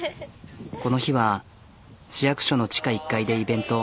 この日は市役所の地下１階でイベント。